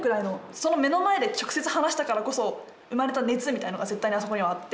その目の前で直接話したからこそ生まれた熱みたいなのが絶対にあそこにはあって。